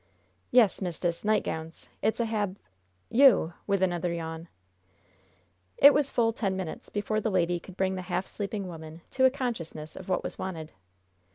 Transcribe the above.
"Yes, mist'ess, nightgowns. It a hab You!" with another yawn. It was full ten minutes before the lady could bring the half sleeping woman to a consciousness of what was wanted.